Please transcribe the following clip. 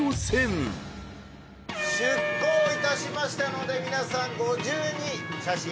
出航いたしましたので皆さんご自由に写真お撮りください。